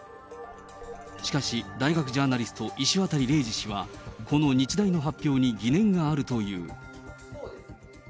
しかし、大学ジャーナリスト、石渡れいじ氏は、この日大の発表に疑念があるという。